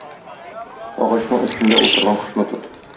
Агачның өстендә утырган кошны тот.